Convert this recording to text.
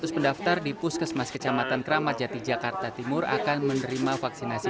dua ratus pendaftar di puskesmas kecamatan kramat jati jakarta timur akan menerima vaksinasi